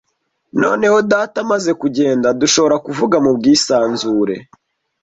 Noneho Data amaze kugenda, dushobora kuvuga mubwisanzure.